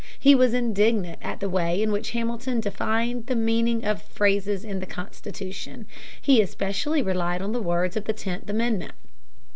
He was indignant at the way in which Hamilton defined the meaning of phrases in the Constitution. He especially relied on the words of the Tenth Amendment.